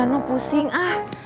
aduh bulan gue pusing ah